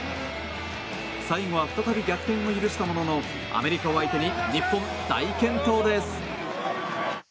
最後は再び逆転を許したもののアメリカを相手に日本、大健闘です。